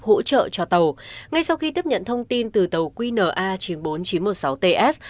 hỗ trợ cho tàu ngay sau khi tiếp nhận thông tin từ tàu qna chín mươi bốn nghìn chín trăm một mươi sáu ts